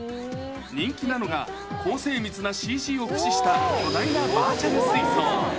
人気なのが、高精密なＣＧを駆使した巨大なバーチャル水槽。